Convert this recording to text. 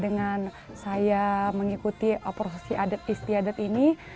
dengan saya mengikuti prosesi adat istiadat ini